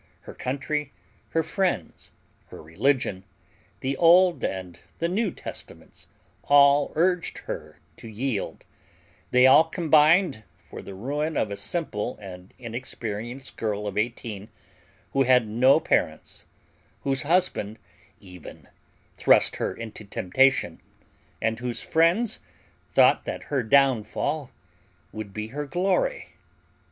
Her country, her friends, her religion, the Old and the New Testaments, all urged her to yield; they all combined for the ruin of a simple and inexperienced girl of eighteen who had no parents, whose husband even thrust her into temptation, and whose friends thought that her downfall would be her glory.